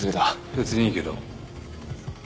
別にいいけど。